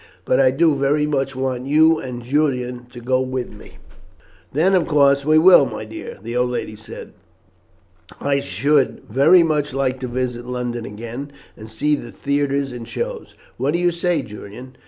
But I do very much want you and Julian to go with me." "Then, of course we will, my dear," the old lady said. "I should very much like to visit London again, and see the theatres and shows. What do you say, Julian?"